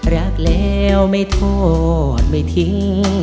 รักแล้วไม่โทษไม่ทิ้ง